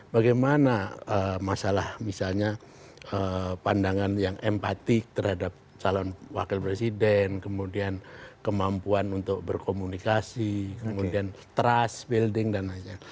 bagaimana masalah misalnya pandangan yang empatik terhadap calon wakil presiden kemudian kemampuan untuk berkomunikasi kemudian trust building dan lain lain